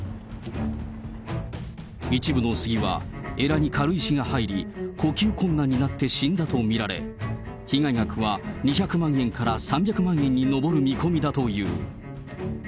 一部のスギは、えらに軽石が入り、呼吸困難になって死んだと見られ、被害額は２００万円から３００万円に上る見込みだという。